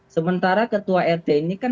sementara ketua rt ini kan